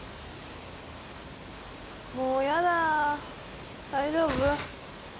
もうヤダ大丈夫？